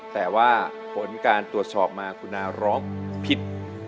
แต่ว่าผลการตรวจสอบมาคุณนาร้องผิด